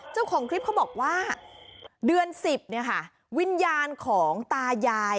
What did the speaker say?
เจ้าของคลิปเขาบอกว่าเดือนสิบวิญญาณของตายาย